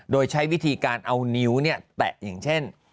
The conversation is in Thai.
โดยใช้วิธีการเอานิ้วแตะอย่างเช่น